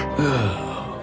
kita akan datang ke rumah